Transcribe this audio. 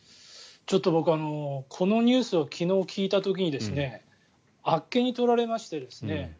僕、このニュースを昨日、聞いた時にですねあっけに取られましてですね